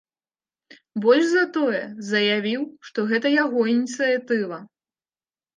Больш за тое, заявіў, што гэта яго ініцыятыва.